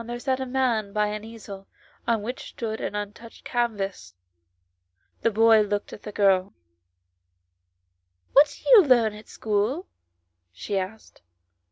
67 there sat a man by an easel, on which stood an untouched canvas. The boy looked at the girL "What do you learn at school ?" she asked.